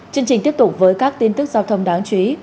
chương trình tiếp tục với các tin tức giao thông đáng chú ý